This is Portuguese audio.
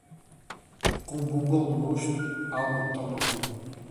Com um bom gole de mosto, a alma retorna ao corpo.